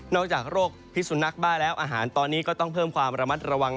อกจากโรคพิสุนักบ้าแล้วอาหารตอนนี้ก็ต้องเพิ่มความระมัดระวัง